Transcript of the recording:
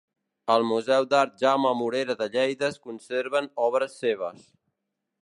Al Museu d'Art Jaume Morera de Lleida es conserven obres seves.